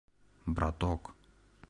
«Браток!»